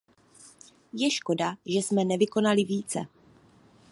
Je škoda, že jsme nevykonali více.